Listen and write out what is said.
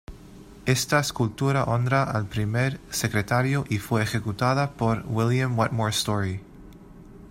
Esta escultura honra al primer secretario y fue ejecutada por William Wetmore Story.